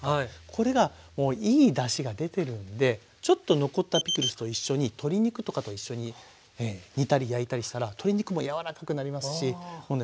これがいいだしが出てるんでちょっ残ったピクルスと一緒に鶏肉とかと一緒に煮たり焼いたりしたら鶏肉も柔らかくなりますしもうね